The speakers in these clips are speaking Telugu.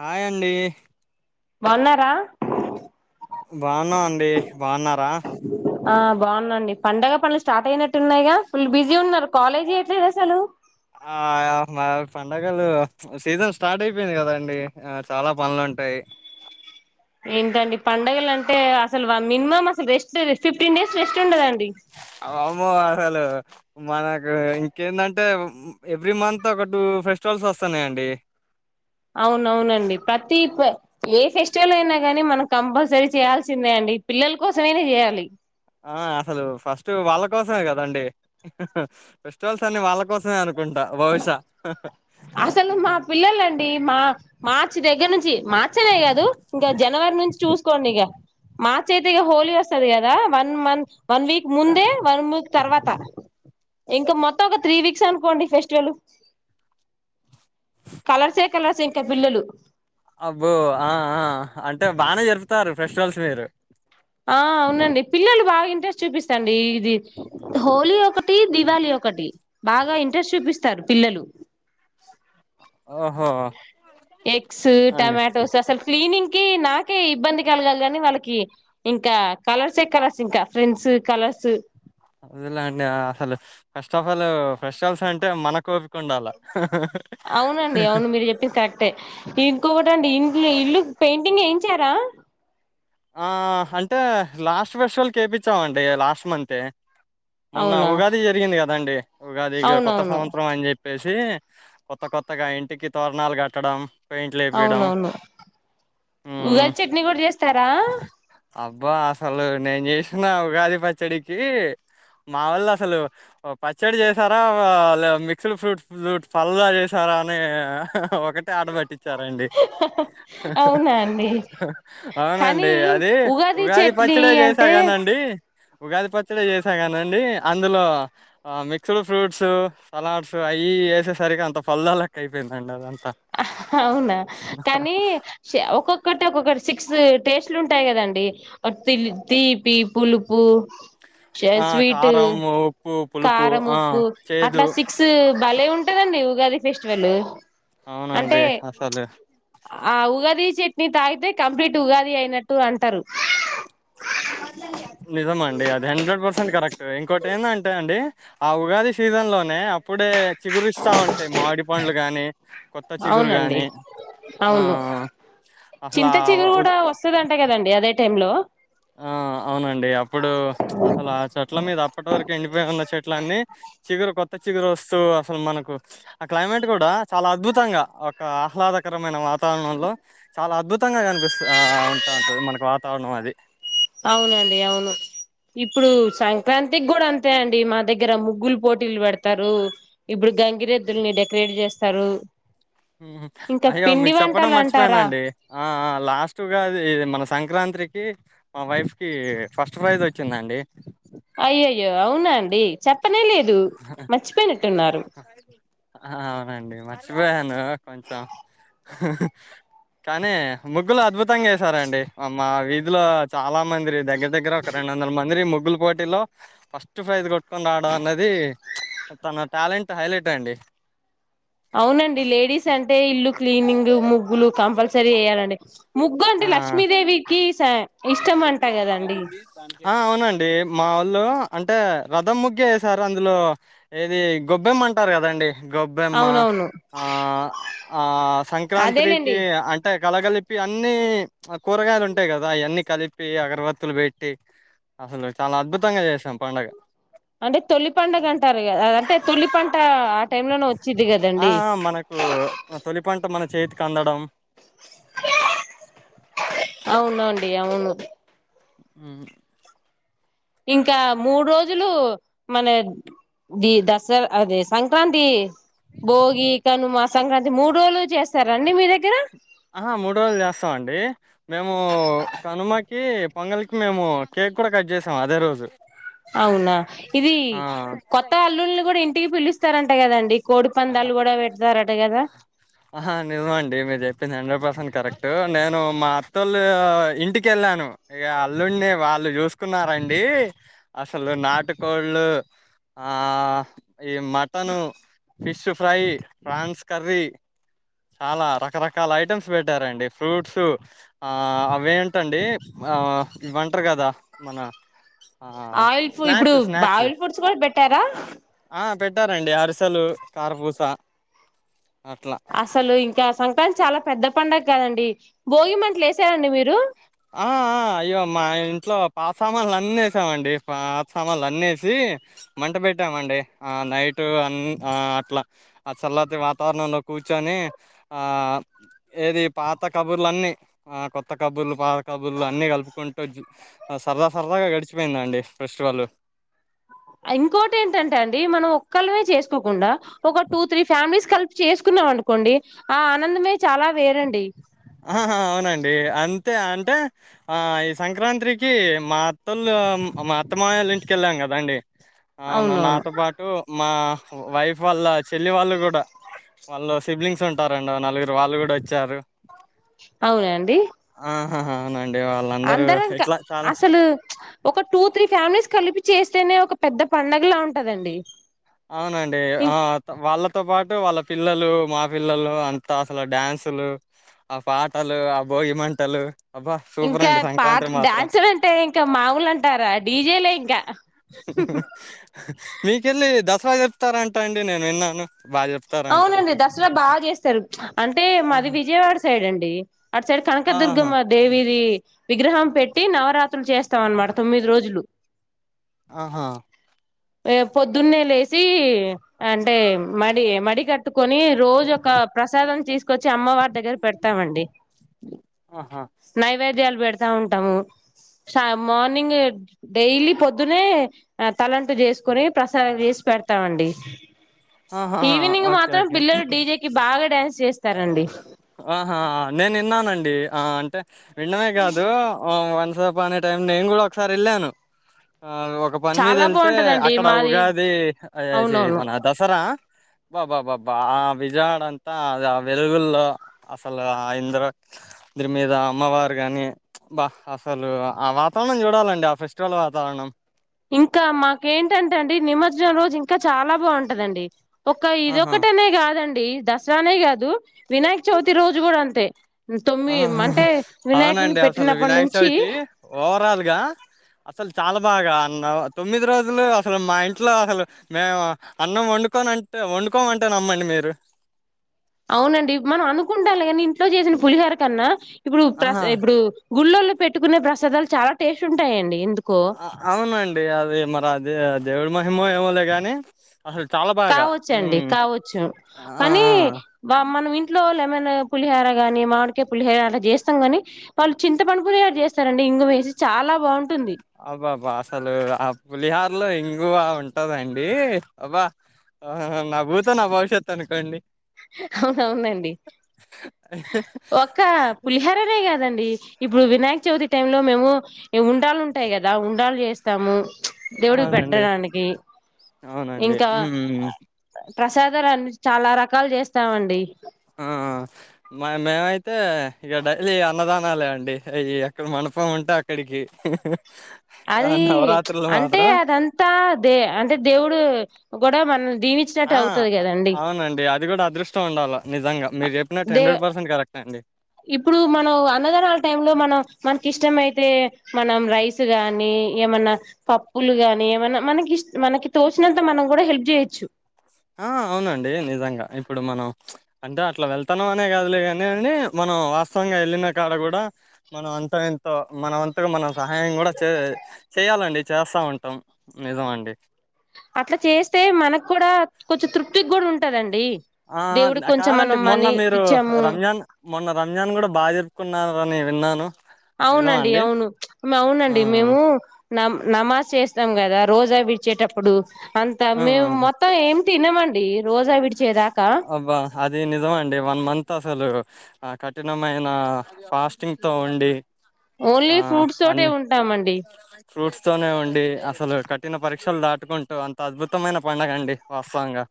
హాయండి బన్నారా బాగున్నావు అండి బాగున్నారా ఆ బాగున్నాండి పండగ పనులు స్టార్ట్ అయినట్టు ఉన్నాయిగా ఫుల్ బిజీ ఉన్నారు కాలేజ్ చేయట్లేదు అసలు ఆ మా పండగలు సీజన్ స్టార్ట్ అయిపోయింది కదండి చాలా పనులుంటాయి ఏంతండి పండడుగల అంటే అసలు మినిమం అసలు రెస్ట్ ఫిఫ్టీన్ డేస్ శ్రే ఉండదాండి మో అసలు మనకు ఇంకేంటంటే ఎవ్రీ మంత్ ఒక టూ ఫెస్టివల్స్ వస్తున్నాయంండి అవునవునండి ప్రతి ఏ ఫెస్ పల అయినా కానీ మనం కంపల్సరీ చేయాల్సిందే అండి పిల్లల కోసమైన చేయాలి ఆ అసలు ఫస్ట్ వాళ్ళ కోసమే కదండి ఫ ల్సన్ని వాళ్ళ కోసమే అనుకుంట బహుశా అసలు మా పిల్లలండి మా మార్చి దగ్గర నుంచి మార్చనే కాదు ఇంగ జనవరి నుంచి చూస్కొండి ఇక మా తే హోలీ ఒస్తది గదా వన్ మంత్ వన్ వీక్ ముందే వన్ ముూ తర్వాత ఇంక మోత్ త్తం ఒక త్రీ వీక్స్ అనుకోండి ఫెస్టివల్ కలర్సే కలర్స్ ఇంకా పిల్లలు అబ్బో ఆ ఆ అంటే బానే జరుపుతారు ఫెస్టివల్స్ మీరు ఆ అవునండి పిల్లలు బాగీ స్ట్ చూపిస్తండి ది హోలీ ఒకటి దివాళీ ఒకటి బాగా ఇంట్రెస్ట్ చూపిస్తారు పిల్లల్ ఒహో ఎగ్స్, టమాటోస్ అసల్ క్లీనిం కి నాకే ఇబ్బంది కలగాలి గాని వాళ్ళకి ఇంకా కలర్సే కలర్స్ ఇంకా ఫ్రెండ్స్ కలర్స్ అదేలెండి అసలు ఫస్ట్ ఆఫ్ ఆల్ ఫెస్టల్స్ అంటే మనకోపిక ఉండాల హుహు అవునండి అవును మీరు చెప్పింది కరెక్టే ఇంకోటండి ఇంట్ల్ ఇల్లు పెయింటింగ్ ఎయించారా ఆ అంటే లాస్ట్ ఫెస్టవ్ల్కి ఎపిచ్చామండి లాస్ట్ మంతే మొన్న అవునా ఉగాది జరిగింది కదండి ఉగాదిగ కొత్త అవునవును సంవత్సరం అని చెప్పేస్ దీ కొత్త కొత్తగా ఇంటికి తోర్ణాలు కట్టడం పెయింట్లు ఏపీయడం అవునవును ఉగాద్ చట్నీ గుడ చేస్తారా అబ్ బ్భా అసలు నేన్ చేశ్న ఉగాది పచ్చడికీ మా వల్ళ అసలు పచ్చడి చేసారా లే మిక్స్డ్ ఫ్రూట్ ఫ్రూట్ పల్డా చేసారా అని ఒక్ ఒకటే ఆడబట్టించారండి అవునా అండి అవునం టె కానీ అది ఉగాది చెట్లి పచ్చడే చేసా అంటే కనండీ ఉగాది పచ్ చ్చడ చేసాగానండి అందులో మిక్స్డ్ ఫ్రూట్సూ సలాడ్స్ అయ్యి ఎసేసరికి అంత పొల్ద లెక్క అయిపోయిందండి అదంత్ అవున కానీ ఒక్కొక్కటి ఒక్కొక్కట్ సిక్స్ టేస్ట్లు ఉంటాయి కదండి తి తీపి, పులుపు శ ఆ స్వీట్, కారం ఉప్పు పులుపు కారం, ఆ ఉప్పు అట్లా చేదు సిక్స్ భలే ఉంటదండి ఉగాది ఫెస్టివలు అంటే అవునండి అసలు ఆ ఉగాది చట్నీ తాగితే కంప్లీట్ ఉగాది అయినట్టు అంటారు నిజమ అండి అది హండ్రెడ్ పర్సెంట్ కరెక్ట్ ఇంకోటి ఏందంటే అండి ఆ ఉగాది సీజన్ లోనే అప్పుడే చిగురు ఇస్తా ఉంటాయి మామిడి పండ్లు కానీ కొత్త చిగురు అవునండి కానీ అవును మ్మ్ అసలా చింత చిగురు కూడా వస్తదంట కదండి అదే టైమ్ లో ఆ అవునండి అప్ ఇప్పుడు అసలు ఆ చ అట్ల మీద అప్పటి వరకు ఎండిపోయి ఉన్న చెట్ల అన్నీ చిగురు కొత్త చిగురు వస్తూ అసలు మనకు ఆ క్లైమేట్ కూడా చాలా అద్భుతంగా ఒక ఆహ్లాదకరమైన వాత్ తారణంలో చాలా అద్భుతంగా కనిపిస్త ఆ ఉంటా ఉంటుంది మనకి వాతావరణం అది అవునండి అవును ఇప్పుడు సంక్రాంతికి కూడా అంతే అండి మా దగ్గర ముగ్గులు పోటీలు పెడతారు ఇప్పుడు గంగిరెద్దుల్ని డెకరేట్ చేస్తారు మ్మ్ ఇంకా అయ్యో పిండి మీకు చెప్పడం వంటలు అంటారా మర్చిపోయానండి ఆ లాస్ట్ ఉగాది మన సంక్రాంత్రి కీ మా వైఫ్ కి ఫస్ట్ ప్రైజ్ వచ్చిందండి అయ్యయ్యో అవున అండి చెప్పనే లేద్ దు మర్చిపోయినట్టున్నారు అండి మర్చిపోయాను కొంచెం కానీ ముగ్గులు అద్భుతంగా వేశారండి మా వీధులో చాలా మందిరి దగ్గర దగ్గర ఒక రెండు వందల మంది ముగ్ ముగ్గుల పోటీలో ఫస్ట్ ప్రైజ్ కొట్టుకొని రావడం అనేది అది తన టాలెంట్ హైలైట్ అండి అవునండి లేడీస్ అంటే ఇల్లు క్లీనింగ్ ముగ్గులు కంపల్సరీ వెయ్యాలండి ఆ ఇష్టం అంట కదండి ఆ అవునండి మా వొళ్ళు అంటే రథం ముగ్గు వేశారు అందులో ఏది గొబ్బెమ్మ అంటారు కదండి గొబ్బెమ్మ అవునవును ఆ ఆ అదేలేండి సంక్రాంత్రికి అంటే కలగలిపి అన్ అన్ని కూరగాయలు ఉంటాయి కదా ఆయన్ని కలిపి అగరవత్తులు పెట్టి అసలు చాలా అద్భుతంగా చేసాం పండగ అంటే తొలి పండగ అంటారు కదా అంటే తొలి పంట ఆ టైమ్ లోనే వచ్చిది ఆ కదండి మనకు తొలిపంట మనక్ చేతికి అందడం అవునండి అవును మ్మ్ ఇంకా మూడు రోజులు మన ది దసరా అదే సంక్రాంతి భోగి కనుమ సంక్రాంతి మూడు రోజుల చేస్తారా అండి మీ దగ్గర ఆహా మూడు రోజులు చేస్తాం అండి మేము కనుమ కి పొంగలికి మేము కేక్ కూడా కట్ చేసాం అదే రోజు అవునా ఇది ఆ కొత్త అల్లుళ్ళని కూడా ఇంటికి పిలుస్తారన్ ట కదండి కోడి పందాలు కూడా పెడతారట కదా ఆహా నిజమండి మీరు చెప్పింది హండ్రెడ్ పర్సెంట్ కరెక్ట్ నేను మా అత్తలు ఇంటికి వెళ్ళాను ఇక అల్లుడిని వాళ్లు చూసుకున్నారండి అసలు నాటుకోళ్ళు ఆ ఆ ఈ mutton fish fry prawns curry చాలా రకరకాల ఐటమ్స్ పెట్టారండి ఫ్రూట్స్ ఆ అవే ఏంటండి ఆ ఇవంటారు కదా మన ఆ ఆయిల్ ఫ్ ఇప్పుడు స్నాక్స్ స్నాక్స్ ఆయిల్ ఫుడ్స్ కూడా పెట్టారా ఆ పెట్టారండి అరిసెలు కారపూస అట్లా అసలు ఇంకా సంక్రాంతి చాలా పెద్ద పండగ కదండి భోగి మంటలు వేసారండి మీరు ఆ ఆ అయ్యో మా ఇంట్లో పాత సామాన్లు అన్ని వేసామండి పాత సామాన్లు అన్నీ వేసి మంట పెట్టామండి ఆ నైటు అ ఆ అట్లా ఆ చల్లటి వాతావరణంలో కూర్చొని ఆ ఏది పాత కబుర్లు అన్నిీ ఆ కొత్త కబుర్లు పాత కబుర్లు అన్నీ కలుపుకుంటూ సరదా సరదాగా గడిచిపోయిందండి ఫెస్టివల్ కల్వే చేసుకోకుండా ఒక టూ త్రీ ఫ్యామిలీస్ కలిప్ చేసుకున్నాం అనుకోండి ఆ ఆనందమే చాలా వేరండి ఆహ అవునండి అంతే అంటే ఆ ఈ సంక్రాంత్రికి మాత్తలు మా అత్త మావయ్యాలు ఇంటికెళ్ళాం కదా అండి ఆ నా అవునవును నాతో పాటు మా వైఫ్ వాళ్ళ చెల్లి వాళ్ళు కూడా వాళ్ స్ సిబ్లింగ్స్ ఉంటారండి ఓ నలుగురు వాళ్ళు కూడా వచ్చారు అవునా అండి ఆ హా అవునా అందరం కా అసలు ఒక టూ త్రీ ఫ్యామిలీస్ కలిపి చేస్తేనే ఒక పెద్ద పండుగలా ఉంటదండి అవునండి ఇం ఆ వాళ్ళతో పాట్ టే వాళ్ళ పిల్లలు మా పిల్లలు అంతా అసలు డ్యాన్సులు ఆ పాటలు ఆ భోగిమంటలు ఇంకా పాట్ డ్యాన్సులు అంటే ఇంకా మాముూలు అంటారా డీజేలే ఇంకా ఎట్లా చెప్తారంట అండి నేను విన్నాను బాగా చెప్తారంట అవునండి దసరా బాగా చేస్తారు అంటే మాది ఆహా విజయవాడ సైడ్ అండి డి అట్ సైడ్ ఆహా కనకదుర్గమ్మ దేవిది విగ్రహం పెట్టి నవరాత్రులు చేస్తాం అనమాట తొమ్మిది రోజులు ఆహా ఏ పొద్దున్నే లేసి అంటే మడి మడి కట్టుకొని రోజు ఒక ప్రసాదం చేస్ కొచ్చే అమ్మవ దగ్గర పెడతామండి ఆహా నైవే వేద్యాలు పెడతా ఉంటాము షా మార్నింగ్ డైలీ పొద్దున్నే ఆ తల టు చేసుకుని ప్రసాదం చేసి పెడతామండి ఆహా ఈవినింగ్ ఓకే మాత్రం ఓకే పిల్లలు డీజేకిి బాగా డ్యాన్స్ చేస్తారండి ఆహా నేను యిన్నానండి ఆ అంటే విన్నమే కాదు ఆ వన్ సపానే టైం నేను కూడా ఒకసారి వెళ్ళాను ఆ ఒక పని మీద చాలా యెళ్తే బాగుంటదండి అక్కడ మాది ఉగాది ఆ చి అవునవును మన దసరా బాబా బాబా ఆ విజయవాడ అంతా ఆ వెలుగుల్లో అసలు ఆ ఇంద్రాద్రి మీద అమ్మవారు కాని బా అసలు ఆ వాతావరణం చూడాలండి ఆ ఫెస్టివల్ వాతావరణం ఇంకా మాకేంటంటే అండి నిమజ్జనం రోజు ఇంకా చాలా బాగుంటదండి ఒక ఆహా ఇదొకటనే కాదన్ డి దసరానే కాదు వినాయక చవితి రోజు కూడా అంతే తొమ్మిది ఆహాహా అంటే వినాయకుని అవునండి అసలు పెట్టినప్పటి వినాయక నుంచి చవితి ఓవరాల్గా అసలు చాలా బాగా అన్నం తొమ్మిది రోజులు అసలు మా ఇంట్లో అసలు మేము అన్నం వండుకొనంటే వండుకోమంటే నమ్మండి మీరు అవునండి మనం అనుకుంటాలి కానీ ఇంట్లో చేసిన పులిహార కన్నా ఇప్పుడు ప్రస్ ఆహా ఇప్పుడు గుళ్ళలో పెట్టుకునే ప్రసాదాలు చాలా టేస్ట్ ఉంటాయండి ఎందు అవునండి అది మరి అదే దేవుడి మహిమో ఏమోలే కాని కావచ్చండి కావచ్చు ఆ కానీ మనం ఇన్ ట్లో లెమన్ పులిహార కాని మామిడికాయ పులిహార అలా చేస్తాం కాని వాళ్ళు చింత పండు పులిహార చేస్తారండి ఇంగువేసి చాలా బాగున్ అబ్బాబ్బా అసలు ఆ పులిహా ర్లో ఇంగువా ఉంటదండి అబ్బా ఆహా నాభూతో నా భవిష్యత్ అనుకోండి అవునవునండి ఒక పులిహరనేే కాదండి ఇప్పుడు వినాయక చవితి టైం లో మేము ఉండ్రాళ్ళు ఉంటాయి కదా ఉండ్రాళ్ళు చేస్తాము దేవుడికి అవునండి పెట్టడానికి అవునండి ఇంకా ఉమ్ ప్రసాదరాలు చాలా రకాలు చేస్తామండి మా మేమైతే ఇక డైలీ అన్నదానాలే అండి అవి ఎక్కడ మండపం ఉంటే అక్కడికి ఆ అది నవరాత్రులు అంటే మాత్రం అదంతా దే అంటే దేవుడు కూడా మన్ ఆ అవునండి అది కూడా అదృష్టం ఉండాల నిజంగా మీరు చెప్పినట్టు డే హండ్రెడ్ పర్సెంట్ కరెక్ట్ అండి ఇప్పుడు మనం అన్నదానాల టైంలో మనం మనకి ఇష్టమయి తే మనం రైస్ గానీ ఏమన్నా పప్పులు గానీ ఏమన్నా మనకిస్ మనకి తోచినంత మనం కూడా హెల్ప్ చేయొచ్చు ఆ అవునండి నిజంగా ఇప్పుడు మనం అంటే అట్లా వెళ్తాన్నాం అనే కాదులే గాని అండి మనం వాస్తవంగా వెళ్ళిన కాడ కూడా మనం అంత ఇంతో మన వంతకు మనం సహాయం కూడా చే చేయాలండి చేస్తా ఉంటాం నిజం అండి అట్లా చేస్తే మనకు కూడా కొచ్చె తృప్తికి కూడా ఉంటదండి ఆ ఆ దేవుడికి న కొంచెం కాదండి మనం మొన్న మనీ మీరు ఇచ్చాము రంజాన్ మొన్న రంజాన్ కూడా బాగా జరుపుకున్ కున్నార్ వని విన్నాను నిజమా అవునండి అండి? అవును ఆ! అవునండి మేము నమ్ నమాజ్ చేస్తాం కదా రోజా విడిచేటప్పుడు అంతా ఆ! మేమ్ మొత్తం ఎం తినమండి రోజా విడిచేదా అబ్బా అది నిజం అండి వన్ మంత్ అసలు ఆ కఠినమైన ఫాస్టింగ్ తో ఉండి ఆ ఓన్లీ ఫ్రూట్స్ తోటే అన్ని ఉంటామండి ఫ్రూట్స్ తోనే ఉండి అసలు కట్ ట్టిన పరీక్షలు దాటుకుంటూ అంత అద్భుతమైన పండగండి వాస్తవంగా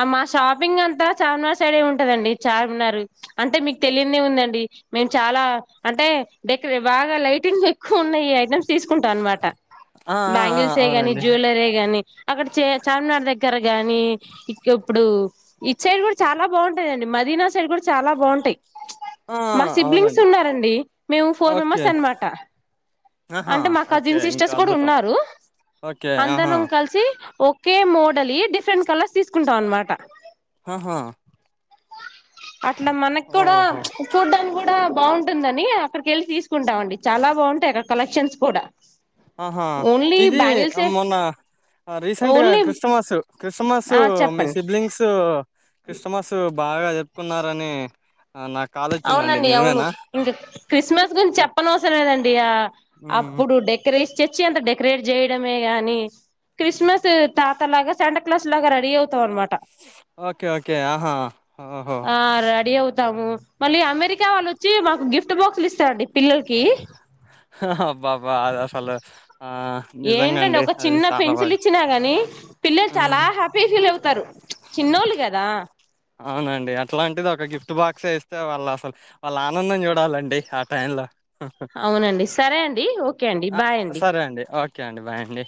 ఆ మా షాపింగ్ అంతా చార్మినార్ సైడే ఉంటదండి చార్మినార్ అంటే మీకు తెలియందేముందండి మేము చాలా అంటే డెకరే బాగా లైటింగ్ ఎక్కువ ఉన్నాయి ఐటమ్స్ తీసుకుంటాం అనమాట ఆ ఆ ఆ బ్యాంగిల్సే గాని అవునండి జ్యువెలరీ గాని అక్కడ చే చార్మినార్ దగ్గర గాని ఇప్పుడు ఇటు సైడ్ కూడా చాలా బాగుంటాందండి మదీనా సైడ్ కూడా చాలా బావుంటాయ్ ఆ మా సిబ్లింగ్స్ అవునండి ఉన్నారండి మేము ఫోర్ ఓకే మెంబర్స్ అనమాట ఆహా అంటే మా ఓకే కజిన్ ఇంకా సిస్టర్స్ కూడా అద్భుతం ఉన్నారు ఓకే ఆహా అందరం కలిసి ఓకె మోడల్ డిఫరెంట్ కలర్స్ తీస్ కుంటాం అన్నమాట ఆ హా అట్లా మనకు కూడా చూడ్డానికి గూడా బావుంటుందని అక్కడికెళ్ళి తీసుకుంటాం అండి చాలా బాగుంటాయ్ అక్కడ కలెక్షన్స్ కూడా ఆహా ఓన్లీ ఇది బ్యాంగిల్సే మొన్న రీసెంట్గా ఓన్లీ క్రిష్ణమాస్ క్రిస్మస్ ఆ మీ చెప్పండి సిబ్లింగ్స్ క్రిస్ట్ మస్ బాగా చెప్పుకున్నారని అవునండి అవును ఇంక క్రిస్మస్ గురించి చెప్పనవసరం లేదండి ఆ హ్మ్. అప్పుడు డెకరేష్ చర్చి ఎంత డెకరేట్ చేయడమే గాని క్రిస్మస్ తాత లాగా శాంట క్లాస్ లాగా రెడీ అవుతాం అనమాట ఓకే ఓకే ఆహా ఓ ఓ హో టాము మళ్ళీ అమెరికా వాళ్ళు వచ్చి మాకు గిఫ్ట్ బాక్సులు ఇస్తారండి పిల్లలకి బాబా అసలు ఏంటండి ఒక చిన్న పెన్సిల్ బాగా ఇచ్చినా గాని పిల్లలు చాలా హ్మ్. హ్యాపీగ ఫీల్ అవుతారు చిన్నోళ్ళు కదా అవునండి అట్లాంటిది ఒక గిఫ్ట్ బాక్సే ఇస్తే వాళ్ళు అసలు వాళ్ళ ఆనందం చూడాలండి ఆ టైమ్ లో అవునండి సరే అండి ఓకే అండి ఆ! బాయ్ అండి సరే ఓకే అండి బాయ్ అండి